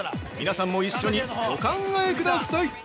皆さんも一緒にお考えください。